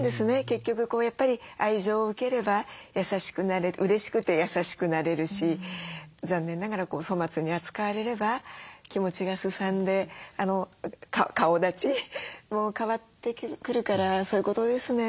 結局やっぱり愛情を受ければうれしくて優しくなれるし残念ながら粗末に扱われれば気持ちがすさんで顔だちも変わってくるからそういうことですね。